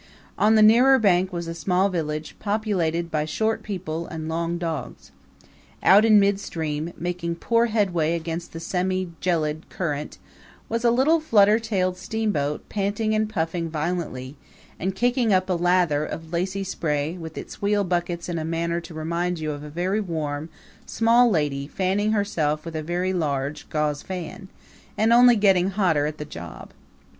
On the nearer bank was a small village populated by short people and long dogs. Out in midstream, making poor headway against the semi gelid current, was a little flutter tailed steamboat panting and puffing violently and kicking up a lather of lacy spray with its wheelbuckets in a manner to remind you of a very warm small lady fanning herself with a very large gauze fan, and only getting hotter at the job.